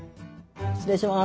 失礼します。